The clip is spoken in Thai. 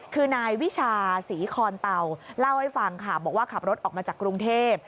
คือนายวิชาศรีคอนเตาเล่าให้ฟังค่ะบอกว่าขับรถออกมาจากกรุงเทพ